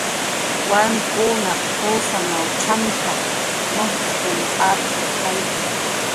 "Warmkunaq jusanw champ""a, mujcxkun apshurqayki"